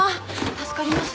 助かります。